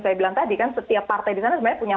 saya bilang tadi kan setiap partai di sana sebenarnya punya